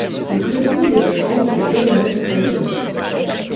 Le président de la Chambre est John Allen Fraser.